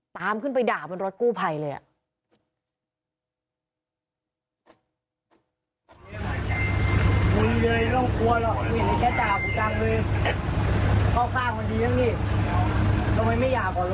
ตามขึ้นไปด่าบนรถกู้ภัยเลย